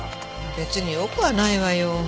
別に良くはないわよ。